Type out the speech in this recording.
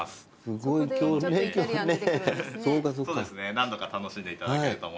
何度か楽しんでいただけると思いますんで。